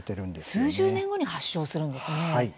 数十年後に発症するんですね。